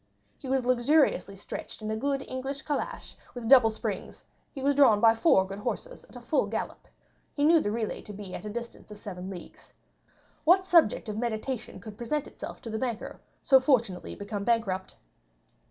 He was luxuriously stretched in a good English calash, with double springs; he was drawn by four good horses, at full gallop; he knew the relay to be at a distance of seven leagues. What subject of meditation could present itself to the banker, so fortunately become bankrupt?